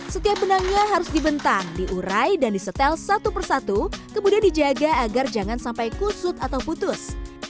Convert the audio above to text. setiap benangnya harus dibentang diurai dan disetel satu persatu kemudian dijaga agar jangan sampai kusut atau putus